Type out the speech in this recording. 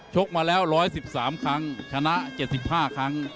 กมาแล้ว๑๑๓ครั้งชนะ๗๕ครั้ง